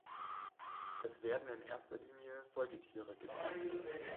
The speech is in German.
Es werden in erster Linie Säugetiere gezeigt.